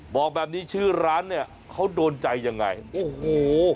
บอกแบบนี้ชื่อร้านเนี่ยเขาโดนใจยังไงโอ้โห